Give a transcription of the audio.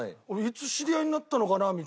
いつ知り合いになったのかな？